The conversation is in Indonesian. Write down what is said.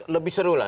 lebih seru lah